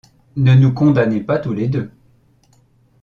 Ne nous condamnez pas tous deux.